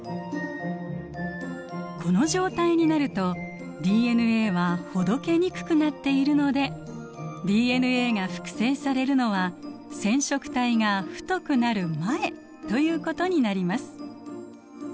この状態になるとＤＮＡはほどけにくくなっているのでＤＮＡが複製されるのは染色体が太くなる前ということになります。